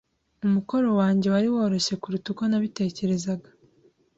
Umukoro wanjye wari woroshye kuruta uko nabitekerezaga.